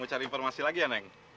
mau cari informasi lagi ya neng